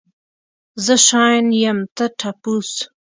زه شاين يم ته ټپوس.